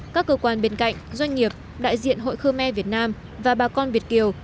các cơ quan bên cạnh doanh nghiệp đại diện hội khơ me việt nam và bà con việt kiều